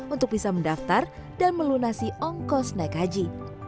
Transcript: untuk bisa mendaftar dan melunasi ongkos naik haji